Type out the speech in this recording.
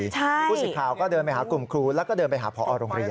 ผู้สิทธิ์ข่าวก็เดินไปหากลุ่มครูแล้วก็เดินไปหาพอโรงเรียน